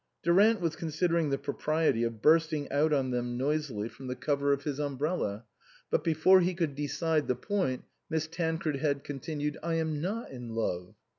Durant was considering the propriety of burst ing out on them noisily from the cover of his 106 INLAND umbrella, but before he could decide the point Miss Tancred had continued :" I am not in love."